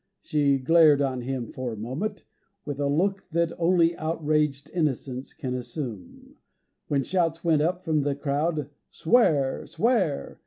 She glared on him for a moment, with a look that only outraged innocence can assume, when shouts went up from the crowd, "Swear! Swear!"